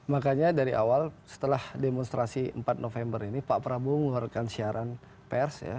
makanya dari awal setelah demonstrasi empat november ini pak prabowo mengeluarkan siaran pers ya